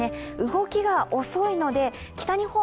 動きが遅いので北日本